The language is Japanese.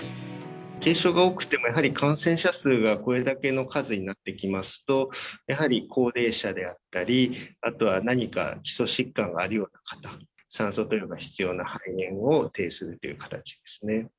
軽症が多くてもやはり感染者数がこれだけの数になってきますと、やはり高齢者であったり、あとは何か基礎疾患があるような方、酸素投与が必要な肺炎をていするという形ですね。